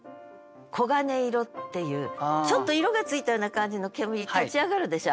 ちょっと色がついたような感じの煙立ち上がるでしょ？